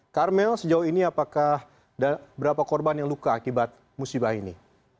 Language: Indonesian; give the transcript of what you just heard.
karmel sejauh ini apakah ada berapa korban yang luka akibat musibah ini